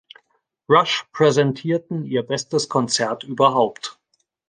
Rush präsentierten ihr bestes Konzert überhaupt.